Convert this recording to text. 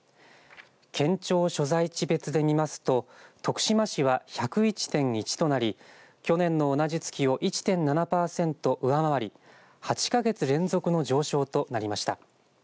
県庁所在地別で見ますと徳島市は１０１．１となり去年の同じ月を１．７パーセント上回り８か月連続の上昇となりました。